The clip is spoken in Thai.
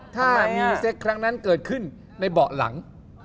ถ้ามีเซ็กครั้งนั้นเกิดขึ้นในเบาะหลัง